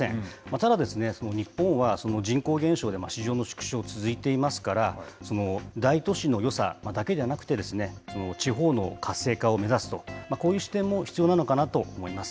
ただ、日本は人口減少で市場の縮小が続いていますから、大都市のよさだけじゃなくて、地方の活性化を目指すと、こういう視点も必要なのかなと思います。